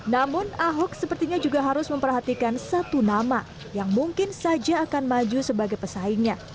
namun ahok sepertinya juga harus memperhatikan satu nama yang mungkin saja akan maju sebagai pesaingnya